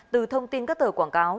từ thông tin các tờ quảng cáo